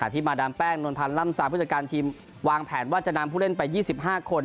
ที่มาดามแป้งนวลพันธ์ล่ำซาผู้จัดการทีมวางแผนว่าจะนำผู้เล่นไป๒๕คน